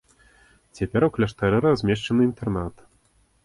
Цяпер у кляштары размешчаны інтэрнат.